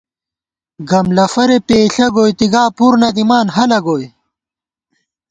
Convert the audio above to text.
گم لَفَرے پېئیݪہ گوئیتی گا پُر نہ دِمان ہَلہ گوئی